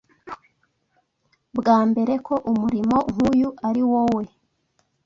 bwambere ko umurimo nkuyu ariwowe